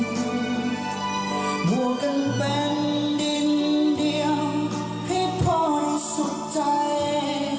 หมวกันเป็นดินเดียวให้พ่อรู้สุขใจ